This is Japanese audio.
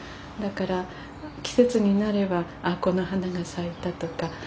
だから季節になればあっこの花が咲いたとか。